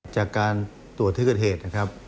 จากการตรวจที่เกิดเหตุ